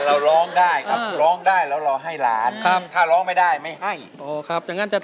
สินโอกรีมคนโปรดไหมครับคนโปรด